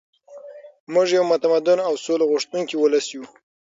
موږ یو متمدن او سوله غوښتونکی ولس یو.